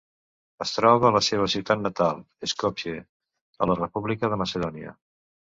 Es troba a la seva ciutat natal, Skopje, a la República de Macedònia.